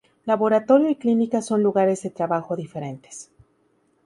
Laboratorio y clínica son lugares de trabajo diferentes.